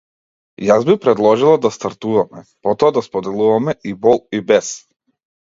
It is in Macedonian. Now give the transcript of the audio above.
Јас би предложила да стартуваме, потоа да споделуваме и бол и бес.